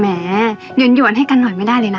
แม่หยุดหยุดให้กันหน่อยไม่ได้เลยนะ